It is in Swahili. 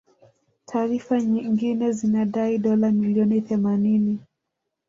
Taarifa nyingine zinadai dola milioni themanini